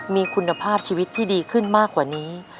มีคุณภาพชีวิตที่ดีขึ้นมากกว่านี้